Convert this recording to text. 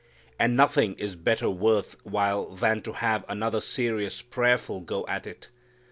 And nothing is better worth while than to have another serious prayerful go at it.